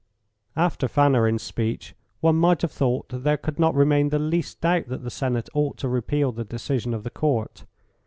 After Fanarin's speech one might have thought that there could not remain the least doubt that the Senate ought to repeal the decision of the Court.